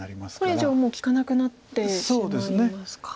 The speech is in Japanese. これ以上もう利かなくなってしまいますか。